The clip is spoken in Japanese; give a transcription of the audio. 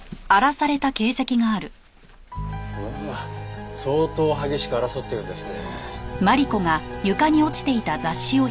うわ相当激しく争ったようですね。